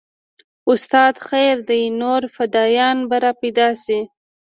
استاده خير دى نور فدايان به راپيدا سي.